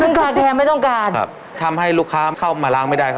ซึ่งคาแคร์ไม่ต้องการครับทำให้ลูกค้าเข้ามาล้างไม่ได้ครับ